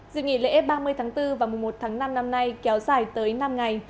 dịp nghỉ lễ ba mươi tháng bốn và mùa một tháng năm năm nay kéo dài tới năm ngày